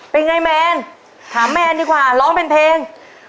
เป็นไงแมนถามแมนดีกว่าร้องเป็นเพลง